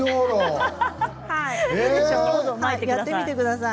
やってみてください。